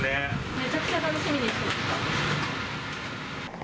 めちゃくちゃ楽しみにしてました。